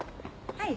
はい！